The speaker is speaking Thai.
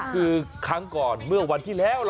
คือครั้งก่อนเมื่อวันที่แล้วเหรอ